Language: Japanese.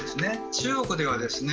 中国ではですね